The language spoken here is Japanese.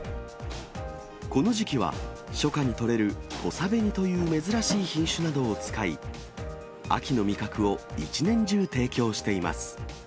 この時期は、初夏に取れる土佐紅という珍しい品種などを使い、秋の味覚を一年中提供しています。